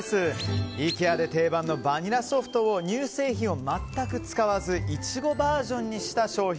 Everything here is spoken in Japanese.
イケアで定番のバニラソフトを乳製品を全く使わずイチゴバージョンにした商品。